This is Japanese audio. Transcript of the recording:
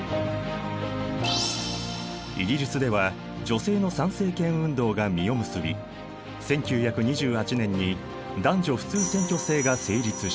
イギリスでは女性の参政権運動が実を結び１９２８年に男女普通選挙制が成立した。